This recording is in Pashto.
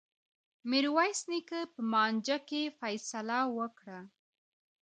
میرويس نیکه په مانجه کي فيصله وکړه.